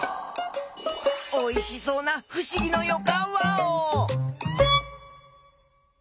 おいしそうなふしぎのよかんワオ！